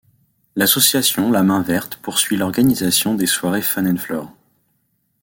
L'association La Main Verte poursuit l'organisation des soirées Fun & Floor.